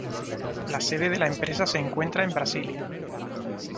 La sede de la empresa se encuentra en Brasilia.